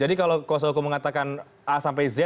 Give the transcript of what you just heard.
jadi kalau kuasa hukum mengatakan a sampai z